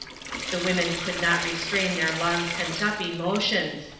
The women could not restrain their long pent up emotions.